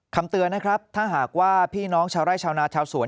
คำเตือนนะครับถ้าหากว่าพี่น้องชาวไร่ชาวนาชาวสวน